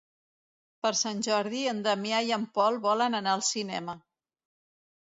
Per Sant Jordi en Damià i en Pol volen anar al cinema.